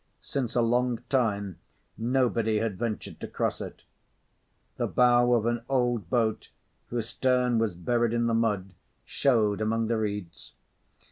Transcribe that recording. Since a long time nobody had ventured to cross it. The bow of an old boat, whose stern was buried in the mud, showed among the reeds.